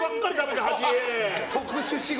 特殊仕事！